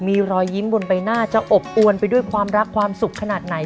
มีรอยยิ้มบนใบหน้าจะอบอวนไปด้วยความรักความสุขขนาดไหน